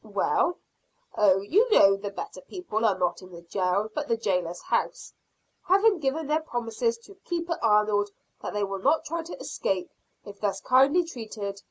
"Well?" "Oh, you know the better people are not in the jail, but in the jailer's house having given their promise to Keeper Arnold that they will not try to escape, if thus kindly treated.